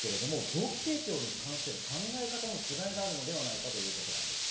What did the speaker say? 臓器提供に関する考え方の違いがあるのではないかということです。